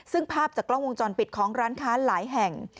ซึ่งภาพจากกล้องวงจรปิดของร้านค้าหลายแห่ง